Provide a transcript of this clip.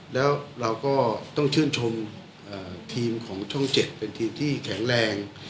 แล้วเราก็ต้องชื่นชมทีมของช่อง๗เป็นทีมที่แข็งแรง